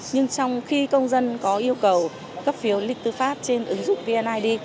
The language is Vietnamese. nhưng trong khi công dân có yêu cầu cấp phiếu lý lịch tư pháp trên ứng dụng vnid